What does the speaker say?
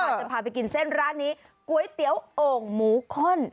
จะพาไปกินเส้นร้านนี้ก๋วยเตี๋ยวโอ่งหมูข้น